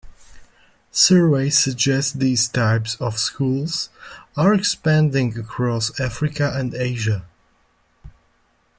Surveys suggest these types of schools are expanding across Africa and Asia.